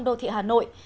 đô thị hà nội